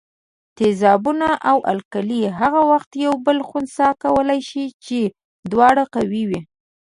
تیزابونه او القلي هغه وخت یو بل خنثي کولای شي چې دواړه قوي وي.